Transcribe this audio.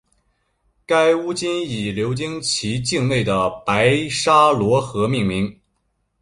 该巫金以流经其境内的白沙罗河命名。